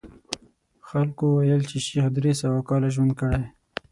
خلکو ویل چې شیخ درې سوه کاله ژوند کړی.